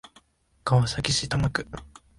川崎市多摩区